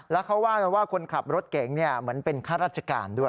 แล้วเขาว่ากันว่าคนขับรถเก่งเหมือนเป็นข้าราชการด้วย